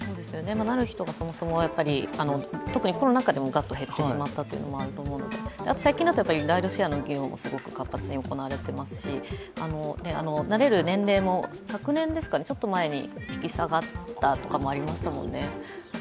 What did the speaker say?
なる人がそもそも、特にコロナ禍でもがっと減ってしまったというのもあると思うのでライドシェアの議論も活発に行われていますしなれる年齢も少し前に引き下がったとかもありましたもんね。